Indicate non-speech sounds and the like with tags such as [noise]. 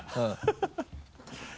ハハハ [laughs]